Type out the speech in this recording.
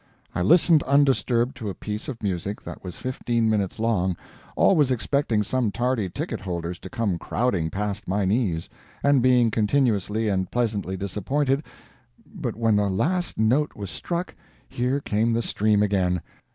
I listened undisturbed to a piece of music that was fifteen minutes long always expecting some tardy ticket holders to come crowding past my knees, and being continuously and pleasantly disappointed but when the last note was struck, here came the stream again.